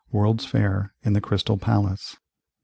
World's Fair in the Crystal Palace 1856.